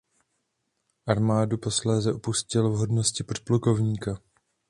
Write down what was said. Armádu posléze opustil v hodnosti podplukovníka.